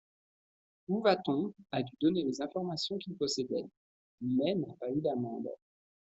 Ouvaton a dû donner les informations qu'il possédait, mais n'a pas eu d'amende.